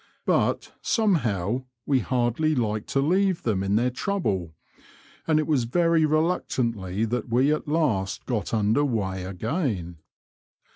But, somehow, we hardly liked to leave them in their trouble, and it was very reluctantly that we at last got under weigh again.